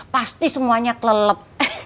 pasti semuanya kelelep